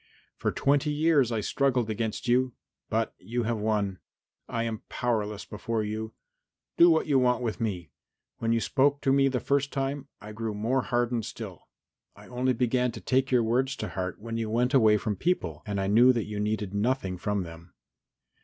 "For twenty years I struggled against you, but you have won. I am powerless before you. Do what you want with me. When you spoke to me the first time, I grew more hardened still. I only began to take your words to heart when you went away from people and I knew that you needed nothing from them.